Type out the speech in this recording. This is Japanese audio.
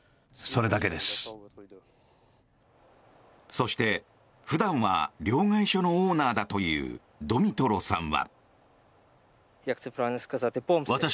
そして、普段は両替所のオーナーだというドミトロさんは。